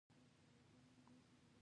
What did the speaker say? دیني جماعتونو ته ډېره ګټه کړې ده